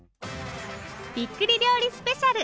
びっくり料理スペシャル！